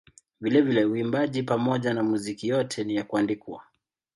Vilevile uimbaji pamoja na muziki yote ni ya kuandikwa.